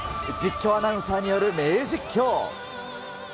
実況アナウンサーによる名実況。